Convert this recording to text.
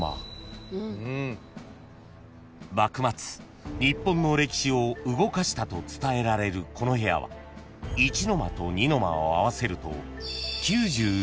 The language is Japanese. ［幕末日本の歴史を動かしたと伝えられるこの部屋は一の間と二の間を合わせると］